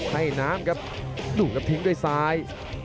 ให้น้ำครับดูครับทิ้งด้วยซ้าย